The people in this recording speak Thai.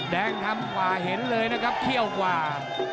แดงทำกว่าเห็นเลยนะครับเขี้ยวกว่า